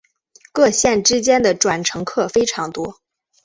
各线之间的转乘客非常多。